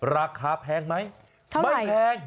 ราคาแพงมั้ยไม่แพงม